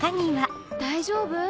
大丈夫？